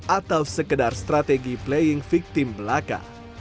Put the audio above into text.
atau sekedar strategi playing victim belaka